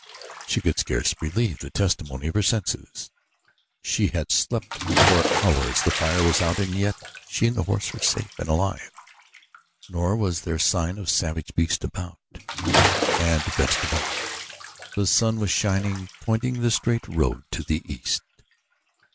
She could scarce believe the testimony of her senses. She had slept for hours, the fire was out and yet she and the horse were safe and alive, nor was there sign of savage beast about. And, best of all, the sun was shining, pointing the straight road to the east.